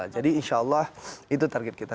jadi insya allah itu target kita